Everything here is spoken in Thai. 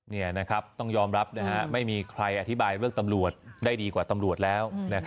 นี่นะครับต้องยอมรับไม่มีใครอธิบายเรื่องตำรวจได้ดีกว่าตำรวจแล้ว